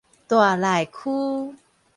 大內區